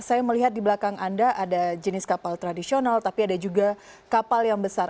saya melihat di belakang anda ada jenis kapal tradisional tapi ada juga kapal yang besar